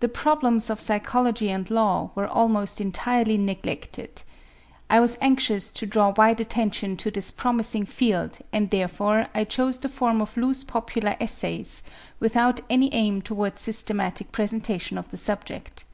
The problems of psychology and law were almost entirely neglected. I was anxious to draw wide attention to this promising field and therefore I chose the form of loose popular essays without any aim towards systematic presentation of the subject.